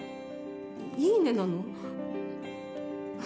いいねなの？